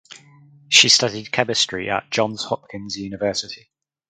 She studied chemistry at Johns Hopkins University.